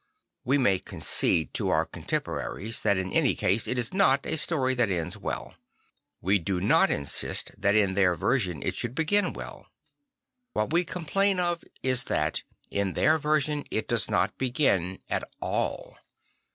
We may concede to our contemporaries that in any case it is not a story that ends well. We do not insist that in their version it should begin well. What \ve complain of is that in their version it does not begin at all.